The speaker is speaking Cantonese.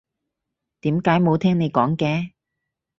點解冇聽你講嘅？